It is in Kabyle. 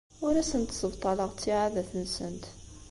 Ur asent-ssebṭaleɣ ttiɛadat-nsent.